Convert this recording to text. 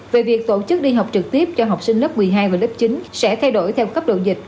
về việc tổ chức đi học trực tiếp cho học sinh lớp một mươi hai và lớp chín sẽ thay đổi theo cấp độ dịch